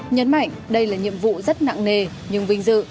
nhấn mạnh đây là nhiệm vụ rất nặng nề nhưng vinh dự